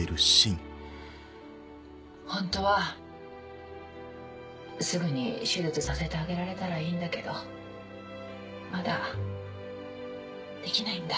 ホントはすぐに手術させてあげられたらいいんだけどまだできないんだ。